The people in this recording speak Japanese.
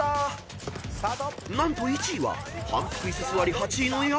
［何と１位は反復イス座り８位の薮］